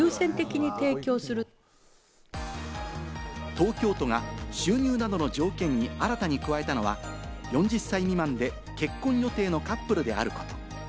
東京都が収入などの条件に新たに加えたのは、４０歳未満で結婚予定のカップルであること。